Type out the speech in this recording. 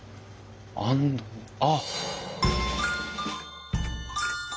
あっ！